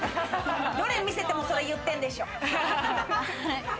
どれ見せてもそれ言ってるんでしょ。